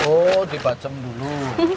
oh dibaceng dulu